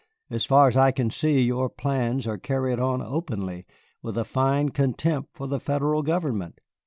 As far as I can see, your plans are carried on openly, with a fine contempt for the Federal government."